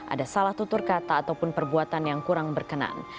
ada salah tutur kata ataupun perbuatan yang kurang berkenan